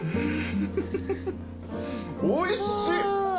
おいしっ。